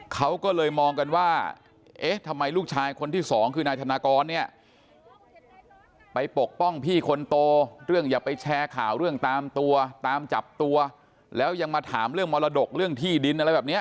เขาก็เลยมองกันว่าเอ๊ะทำไมลูกชายคนที่สองคือนายธนากรเนี่ยไปปกป้องพี่คนโตเรื่องอย่าไปแชร์ข่าวเรื่องตามตัวตามจับตัวแล้วยังมาถามเรื่องมรดกเรื่องที่ดินอะไรแบบนี้